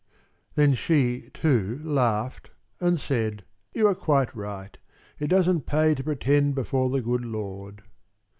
Then she, too, laughed and said: "You are quite right. It doesn't pay to pretend before the good Lord."